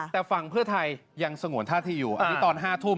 แต่ฝั่งเพื่อไทยยังสงวนท่าที่อยู่อันนี้ตอน๕ทุ่ม